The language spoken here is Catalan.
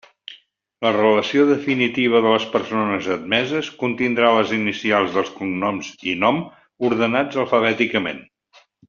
La relació definitiva de persones admeses contindrà les inicials dels cognoms i nom, ordenats alfabèticament.